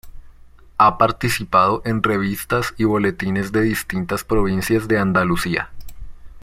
Ha participado en revistas y boletines de distintas provincias de Andalucía.